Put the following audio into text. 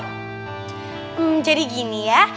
hmm jadi gini ya